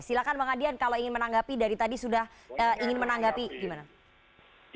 silahkan bang adian kalau ingin menanggapi dari tadi sudah ingin menanggapi gimana